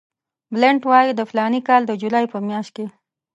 بلنټ وایي د فلاني کال د جولای په میاشت کې.